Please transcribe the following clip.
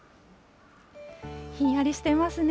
ひんやりしてますね。